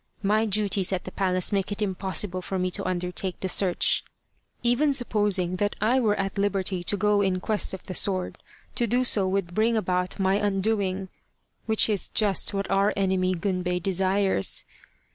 My duties at the palace make it impossible for me to undertake the search. Even supposing that I were 10 The Quest of the Sword at liberty to go in quest of the sword, to do so would bring about my undoing, which is just what our enemy Gunbei desires.